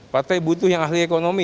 partai butuh yang ahli ekonomi